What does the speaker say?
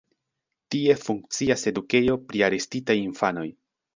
Tie funkcias edukejo pri arestitaj infanoj.